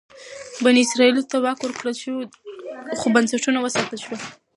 بني اسرائیلو ته واک ورکړل شو خو بنسټونه وساتل شول.